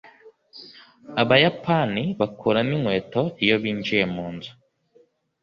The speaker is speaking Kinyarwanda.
abayapani bakuramo inkweto iyo binjiye munzu